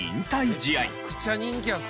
試合